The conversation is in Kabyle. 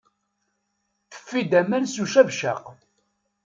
Teffi-d aman s ucabcaq.